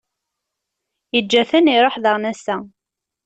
Iǧǧa-ten, iṛuḥ daɣen ass-a.